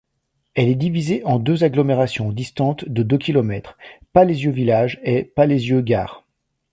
Elle est divisée en deux agglomérations distantes de deux kilomètres, Palézieux-Village et Palézieux-Gare.